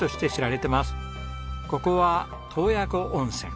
ここは洞爺湖温泉。